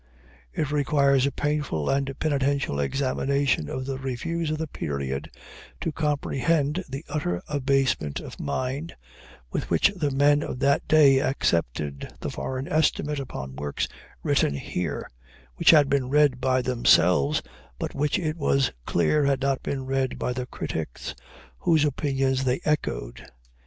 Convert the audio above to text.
It requires a painful and penitential examination of the reviews of the period to comprehend the utter abasement of mind with which the men of that day accepted the foreign estimate upon works written here, which had been read by themselves, but which it was clear had not been read by the critics whose opinions they echoed.